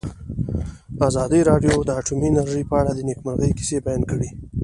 ازادي راډیو د اټومي انرژي په اړه د نېکمرغۍ کیسې بیان کړې.